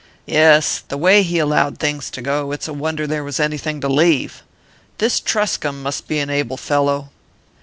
"Yes. The way he allowed things to go, it's a wonder there was anything to leave. This Truscomb must be an able fellow."